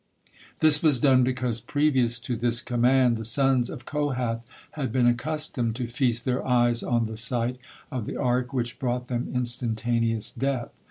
This was done because previous to this command the sons of Kohath had been accustomed to feast their eyes on the sight of the Ark, which brought them instantaneous death.